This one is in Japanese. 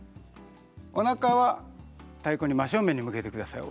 おなかは太鼓に真っ正面に向けてください。